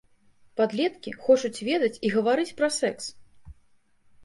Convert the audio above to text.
Падлеткі хочуць ведаць і гаварыць пра секс!